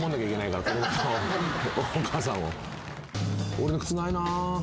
「俺の靴ないなぁ」